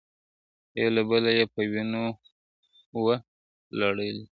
یو له بله یې په وینو وه لړلي ,